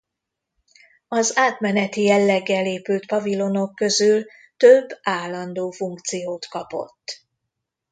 Az átmeneti jelleggel épült pavilonok közül több állandó funkciót kapott.